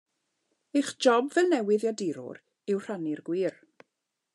Eich job fel newyddiadurwyr yw rhannu'r gwir.